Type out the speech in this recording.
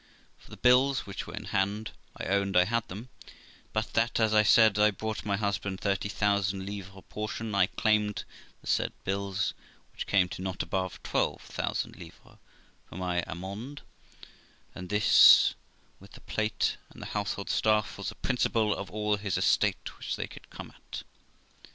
For the bills which were in hand, I owned I had them, but that, as I said I brought my husband thirty thousand livres portion, I claimed the said bills, which came to not above twelve thousand livres, for my amende, and this, with the plate and the household stuff, was the principal of all his estate which they could come at.